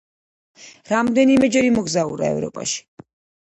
რამდენიმეჯერ იმოგზაურა ევროპაში.